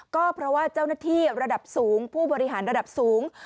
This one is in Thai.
ก็เพราะว่าเจ้าหน้าที่ระดับสูงผู้บริหารระดับสูง